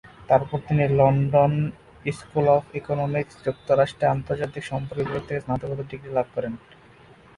তারপর তিনি London School of Economics, যুক্তরাজ্যে আন্তর্জাতিক সম্পর্ক বিভাগ থেকে স্নাতকোত্তর ডিগ্রি লাভ করেন।